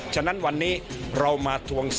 ฉะนั้นวันนี้เรามาทวง